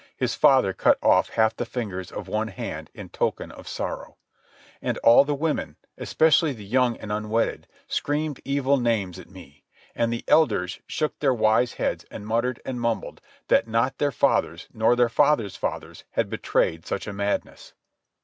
His father cut off half the fingers of one hand in token of sorrow. And all the women, especially the young and unwedded, screamed evil names at me; and the elders shook their wise heads and muttered and mumbled that not their fathers nor their fathers' fathers had betrayed such a madness.